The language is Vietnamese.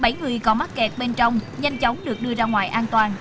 bảy người có mắc kẹt bên trong nhanh chóng được đưa ra ngoài an toàn